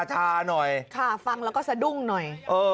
ฝังแล้วก็สดุ้งหน่อย